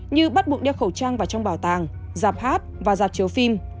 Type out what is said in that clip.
như bắt bụng đeo khẩu trang vào trong bảo tàng giạp hát và giạp chiếu phim